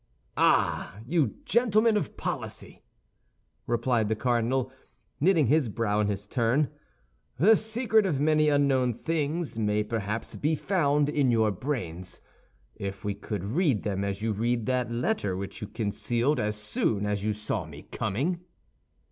"Ah, you gentlemen of policy!" replied the cardinal, knitting his brow in his turn, "the secret of many unknown things might perhaps be found in your brains, if we could read them as you read that letter which you concealed as soon as you saw me coming."